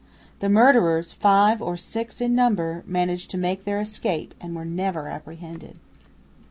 The murderers, five or six in number, managed to make their escape and were never apprehended.